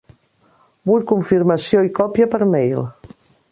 Vull confirmació i còpia per mail.